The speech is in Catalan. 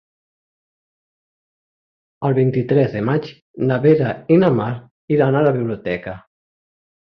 El vint-i-tres de maig na Vera i na Mar iran a la biblioteca.